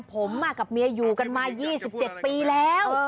ผมกับเมียอยู่กันมา๒๗ปีแล้ว